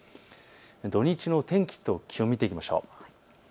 土日の天気と気温、見ていきましょう。